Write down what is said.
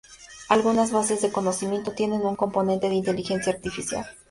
Algunas Bases de Conocimiento tienen un componente de inteligencia artificial.